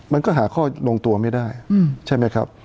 มันก็หาข้อลงตัวไม่ได้ใช่ไหมครับ